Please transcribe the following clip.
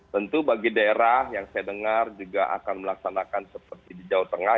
tentu bagi daerah yang saya dengar juga akan melaksanakan seperti di jawa tengah